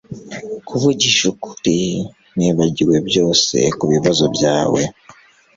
Kuvugisha ukuri nibagiwe byose kubibazo byawe